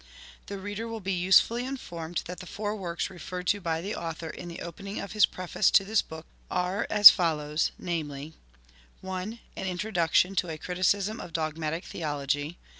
The reader will be usefully informed that the four works referred to by the Author in the open ing of his preface to this book are as follows, namely :— 1. An Introduction to a Criticism of Dogmatic Theology.